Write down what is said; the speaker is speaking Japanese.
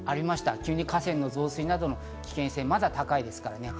急な河川の増水などの危険性が高いですからね。